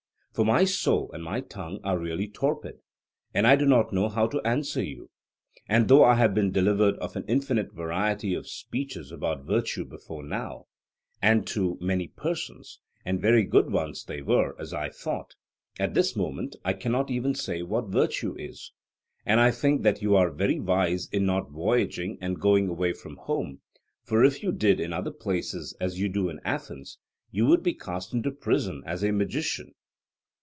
For my soul and my tongue are really torpid, and I do not know how to answer you; and though I have been delivered of an infinite variety of speeches about virtue before now, and to many persons and very good ones they were, as I thought at this moment I cannot even say what virtue is. And I think that you are very wise in not voyaging and going away from home, for if you did in other places as you do in Athens, you would be cast into prison as a magician.